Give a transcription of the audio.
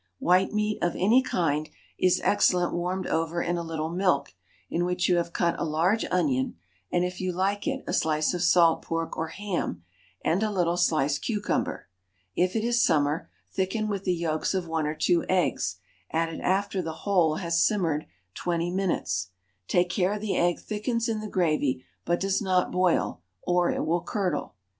WHITE MEAT OF ANY KIND is excellent warmed over in a little milk, in which you have cut a large onion, and, if you like it, a slice of salt pork or ham, and a little sliced cucumber, if it is summer; thicken with the yolks of one or two eggs, added after the whole has simmered twenty minutes; take care the egg thickens in the gravy, but does not boil, or it will curdle.